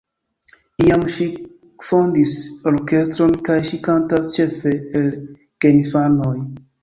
Iam ŝi fondis orkestron kaj ŝi kantas ĉefe al geinfanoj.